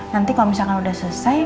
nanti kalau misalkan udah selesai